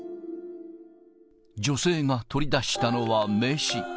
女性が取り出したのは名刺。